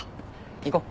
行こう。